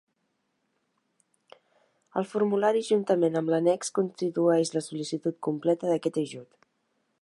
El formulari juntament amb l'annex constitueix la sol·licitud completa d'aquest ajut.